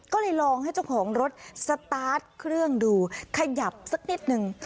ก็เลยลองให้เจ้าของรถสตาร์ทเครื่องดูขยับสักนิดนึง